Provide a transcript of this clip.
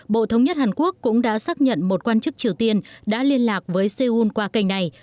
bộ thống nhất hàn quốc cũng đã xác nhận một quan chức triều tiên đã liên lạc với seoul qua kênh này